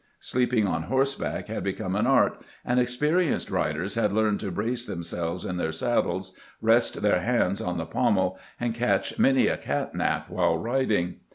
Sleeping on horseback had become an art, and experienced riders had learned to brace themselves in their saddles, rest their hands on the pommel, and catch many a cat nap while riding.